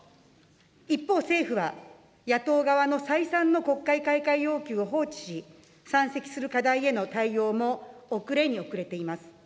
一方、政府は野党側の再三の国会開会要求を放置し、山積する課題への対応も遅れに遅れています。